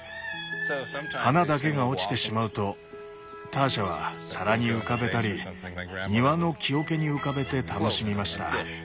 花だけが落ちてしまうとターシャは皿に浮かべたり庭の木桶に浮かべて楽しみました。